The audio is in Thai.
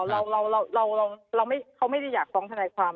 เรารอเราเราเขาไม่ได้อยากฟังทนายความ